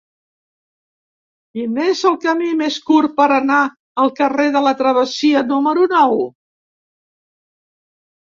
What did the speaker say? Quin és el camí més curt per anar al carrer de la Travessia número nou?